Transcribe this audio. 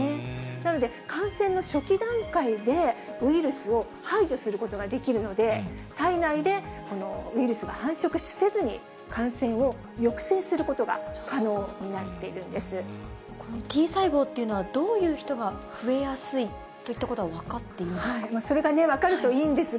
なので、感染の初期段階でウイルスを排除することができるので、体内でウイルスが繁殖せずに、感染を抑制することが可能となっこのＴ細胞っていうのは、どういう人が増えやすいといったことは分かっているんですか？